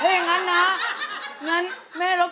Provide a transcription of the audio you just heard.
เป็นเรื่องราวของแม่นาคกับพี่ม่าครับ